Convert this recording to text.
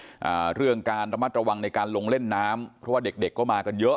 อ่าเรื่องการระมัดระวังในการลงเล่นน้ำเพราะว่าเด็กเด็กก็มากันเยอะ